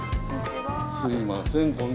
すいません